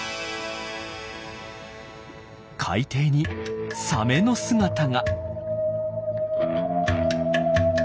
海底にサメの姿が。